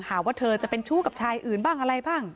หาว่าเธอจะเป็นชู้กับชายอื่นบ้างอะไรบ้าง